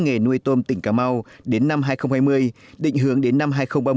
nghề nuôi tôm tỉnh cà mau đến năm hai nghìn hai mươi định hướng đến năm hai nghìn ba mươi